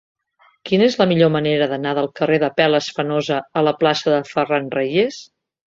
Quina és la millor manera d'anar del carrer d'Apel·les Fenosa a la plaça de Ferran Reyes?